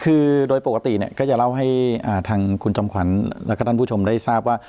คือโดยปกติเนี่ยก็จะเล่าให้ทางคุณจำขวัญแล้วก็ท่านผู้ชมได้ทราบว่า